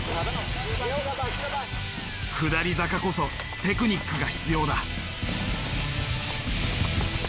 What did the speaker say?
下り坂こそテクニックが必要だ。